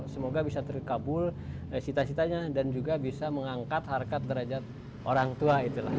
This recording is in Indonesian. semoga bisa terkabul cita citanya dan juga bisa mengangkat harkat derajat orang tua itulah